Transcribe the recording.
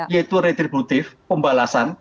yaitu retributif pembalasan